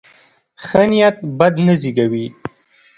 ښه نیت بد نه زېږوي.